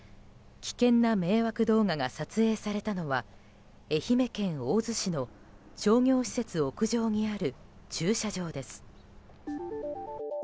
危険な迷惑動画が撮影されたのは愛媛県大洲市の商業施設屋上にある駐車場です。